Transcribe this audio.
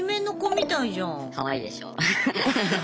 かわいいでしょ。